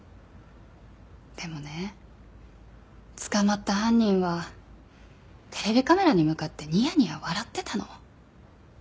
でもね捕まった犯人はテレビカメラに向かってニヤニヤ笑ってたの。